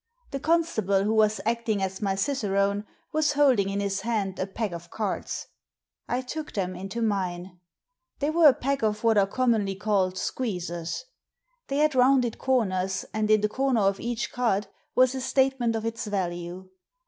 The constable who was acting as my cicerone was holding in his hand a pack of cards. I took them into mine. They were a pack of what are commonly called "squeezers." They 6i Digitized by VjOOQIC 62 THE SEEN AND THE UNSEEN had rounded comers, and in the comer of each card was a statement of its value.